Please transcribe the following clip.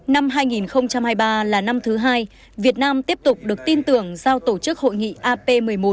năm hai nghìn hai mươi ba là năm thứ hai việt nam tiếp tục được tin tưởng giao tổ chức hội nghị ap một mươi một